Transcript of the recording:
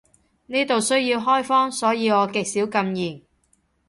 呢度需要開荒，所以我極少禁言